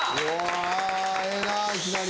ええなあいきなり。